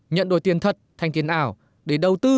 nhận đổi tiền thật thành tiền ảo để đầu tư